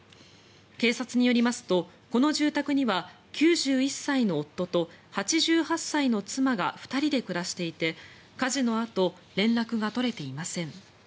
警察によりますと、この住宅には９１歳の夫と８８歳の妻が２人で暮らしていて、火事のあと連絡が取れていません。